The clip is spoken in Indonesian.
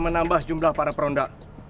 menambah jumlah para peronda